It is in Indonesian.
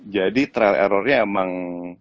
jadi trial errornya emang